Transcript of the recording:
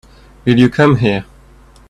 Will you come here?